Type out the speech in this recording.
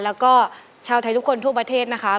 แล้วก็ชาวไทยทุกคนทั่วประเทศนะคะ